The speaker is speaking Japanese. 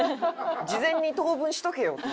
事前に等分しとけよって。